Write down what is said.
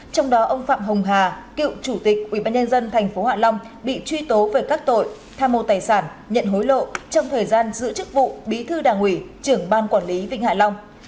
trong đó ông phạm hồng hà cựu chủ tịch ubnd tp hạ long bị truy tố về các tội tham mô tài sản nhận hối lộ trong thời gian giữ chức vụ bí thư đảng ủy trưởng ban quản lý vịnh hạ long